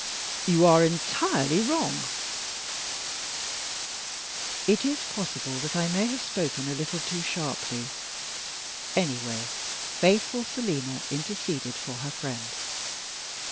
"You are entirely wrong." It is possible that I may have spoken a little too sharply. Anyway, faithful Selina interceded for her friend.